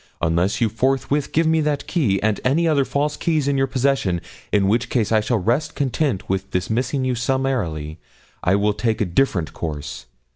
Unless you forthwith give me that key, and any other false keys in your possession in which case I shall rest content with dismissing you summarily I will take a different course.